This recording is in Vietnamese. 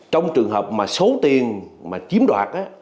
trong trường hợp mà số tiền mà chiếm đoạt